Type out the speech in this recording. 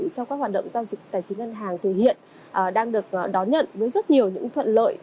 trong các hoạt động giao dịch tài chính ngân hàng thì hiện đang được đón nhận với rất nhiều những thuận lợi